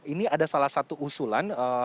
ini ada salah satu usulan